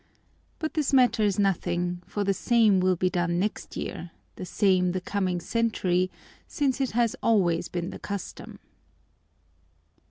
But this matters nothing, for the same will be done next year, the same the coming century, since it has always been the custom.